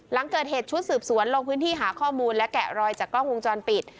หลังเกิดเหตุชุดสืบสวนลงพื้นที่หาข้อมูลและแกะรอยจากกล้องวงจรปิด